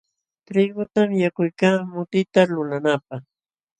Trigutam yakuykaa mutita lulanaapaq.